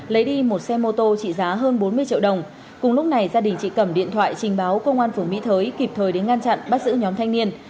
lấy đi một xe mô tô trị giá hơn bốn mươi triệu đồng cùng lúc này gia đình chị cẩm điện thoại trình báo công an phường mỹ thới kịp thời đến ngăn chặn bắt giữ nhóm thanh niên